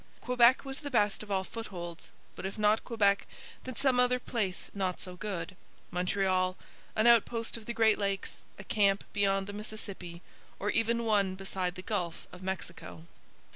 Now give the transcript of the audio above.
Quebec was the best of all footholds. But if not Quebec, then some other place not so good: Montreal; an outpost on the Great Lakes; a camp beyond the Mississippi; or even one beside the Gulf of Mexico.